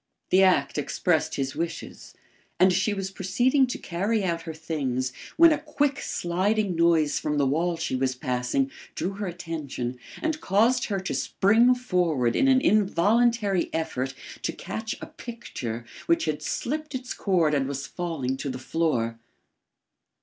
The act expressed his wishes; and she was proceeding to carry out her things when a quick sliding noise from the wall she was passing, drew her attention and caused her to spring forward in an involuntary effort to catch a picture which had slipped its cord and was falling to the floor.